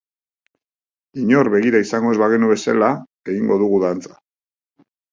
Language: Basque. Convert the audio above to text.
Inor begira izango ez bagenu bezala egingo dugu dantza.